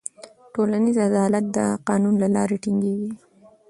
ټولنیز عدالت د قانون له لارې ټینګېږي.